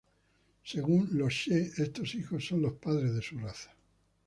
Según los she, estos hijos son los padres de su raza.